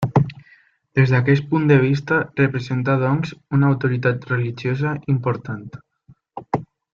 Des d'aquest punt de vista representa, doncs, una autoritat religiosa important.